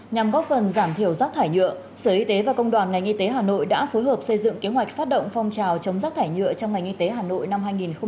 nhằm góp phần giảm thiểu rác thải nhựa sở y tế và công đoàn ngành y tế hà nội đã phối hợp xây dựng kế hoạch phát động phong trào chống rác thải nhựa trong ngành y tế hà nội năm hai nghìn hai mươi